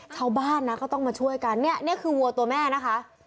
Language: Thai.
ชาวบ้านนะก็ต้องมาช่วยกันเนี่ยนี่คือวัวตัวแม่นะคะ